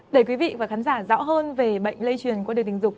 để quý vị và khán giả rõ hơn về bệnh lây truyền qua đường sinh dục